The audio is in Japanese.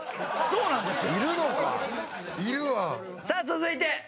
さあ続いて。